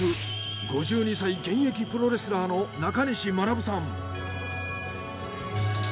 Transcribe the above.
５２歳現役プロレスラーの中西学さん。